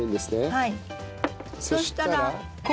はい。